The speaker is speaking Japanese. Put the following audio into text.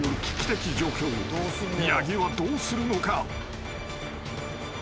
［八木はどうするのか？］